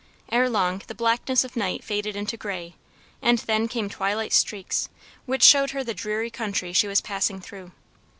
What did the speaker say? Erelong the blackness of night faded into gray, and then came twilight streaks, which showed her the dreary country she was passing through.